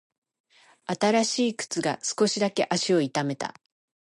新しい靴が少しだけ足を痛めた。